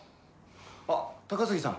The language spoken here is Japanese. あっ高杉さん。